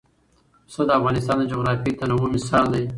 پسه د افغانستان د جغرافیوي تنوع مثال دی.